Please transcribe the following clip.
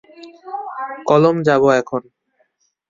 কলম যাবো এখন।